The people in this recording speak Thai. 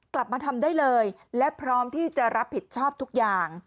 กลับมาทำได้เลยและพร้อมที่จะรับผิดชอบทุกอย่าง